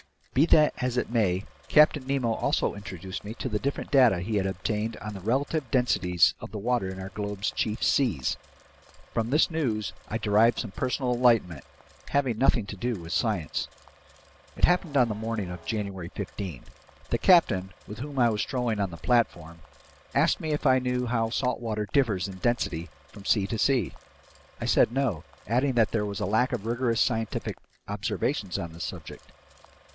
Be that as it may, Captain Nemo also introduced me to the different data he had obtained on the relative densities of the water in our globe's chief seas. From this news I derived some personal enlightenment having nothing to do with science. It happened the morning of January 15. The captain, with whom I was strolling on the platform, asked me if I knew how salt water differs in density from sea to sea. I said no, adding that there was a lack of rigorous scientific observations on this subject.